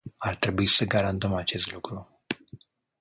Ar trebui să garantăm acest lucru.